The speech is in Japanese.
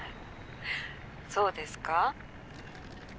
そうですか？